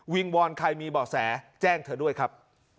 งวอนใครมีบ่อแสแจ้งเธอด้วยครับ